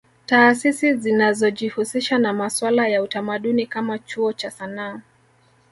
Taasisi zinazojihusisha na masuala ya utamadni kama Chuo cha Sanaa